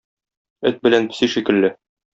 Эт белән песи шикелле